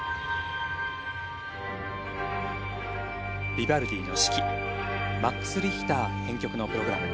ビバルディの『四季』マックス・リヒター編曲のプログラム。